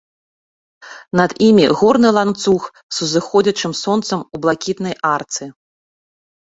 Над імі горны ланцуг з узыходзячым сонцам у блакітнай арцы.